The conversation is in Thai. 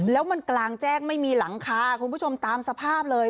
แล้วมันกลางแจ้งไม่มีหลังคาคุณผู้ชมตามสภาพเลย